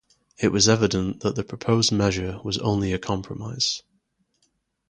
It was evident that the proposed measure was only a compromise.